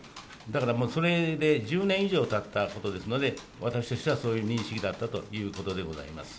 だから、もうそれで１０年以上たったことですので、私としてはそういう認識だったということでございます。